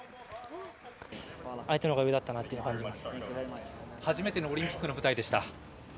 相手のほうが上だったなって初めてのオリンピックの舞台